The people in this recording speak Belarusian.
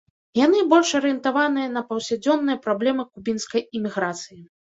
Яны больш арыентаваныя на паўсядзённыя праблемы кубінскай іміграцыі.